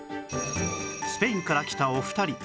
スペインから来たお二人